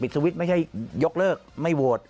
ปิดสวิตช์จะไม่ให้ยกเลิกไม่โวทย์